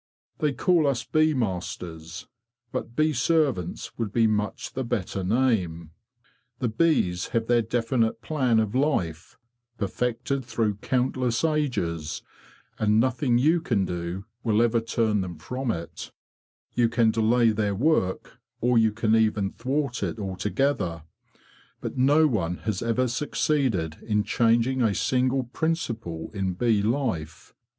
They call us bee masters, but bee servants would be much the better name. The bees have their definite plan of life, perfected through countless ages, and nothing you can do will ever turn them from it. 36 THE BEE MASTER OF WARRILOW You can delay their work, or you can even thwart it altogether, but no one has ever succeeded in changing a single principle in bee life.